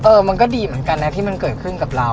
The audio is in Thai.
มันก็ดีเหมือนกันนะที่มันเกิดขึ้นกับเรา